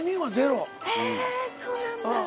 へぇそうなんだ。